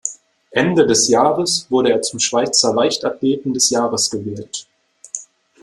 Ende des Jahres wurde er zum Schweizer Leichtathleten des Jahres gewählt.